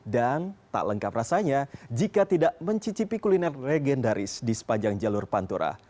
dan tak lengkap rasanya jika tidak mencicipi kuliner legendaris di sepanjang jalur pantura